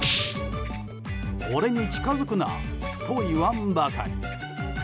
俺に近づくなと言わんばかり。